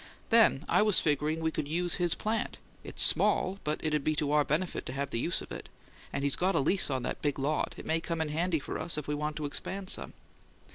Then I was figuring we could use his plant it's small, but it'd be to our benefit to have the use of it and he's got a lease on that big lot; it may come in handy for us if we want to expand some.